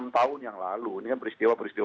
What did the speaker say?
enam tahun yang lalu ini kan peristiwa peristiwa